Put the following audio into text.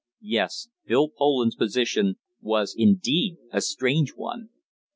Yes, Phil Poland's position was indeed a strange one.